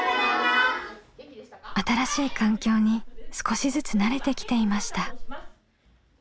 新しい環境に少しずつ慣れてきていました。